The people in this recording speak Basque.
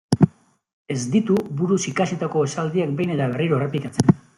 Ez ditu buruz ikasitako esaldiak behin eta berriro errepikatzen.